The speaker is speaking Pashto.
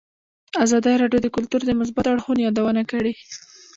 ازادي راډیو د کلتور د مثبتو اړخونو یادونه کړې.